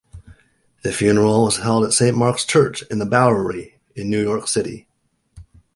The funeral was held at Saint Mark's Church in-the-Bowery in New York City.